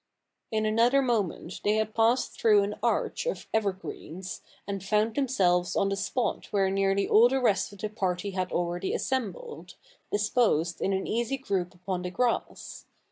In another moment they had passed through an arch of evergreens, and found themselves on the spot where nearly all the rest of the party had already assembled, disposed in an easy group upon the grass.